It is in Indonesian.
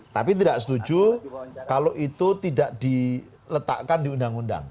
tapi tidak setuju kalau itu tidak diletakkan di undang undang